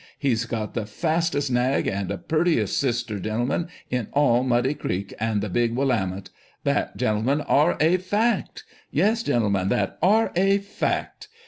He's got the fastest nag, and the purtiest sister, gentlemen, in all Muddy Creek and the Big Willamette ! That, gentlemen, are a fact. Yes, gentlemen, that are a fact.